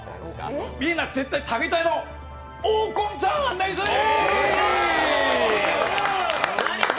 みんな絶対食べたいよ、黄金チャーハン、作るよ。